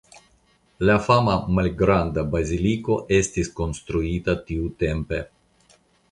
La fama malgranda baziliko estis konstruita tiutempe.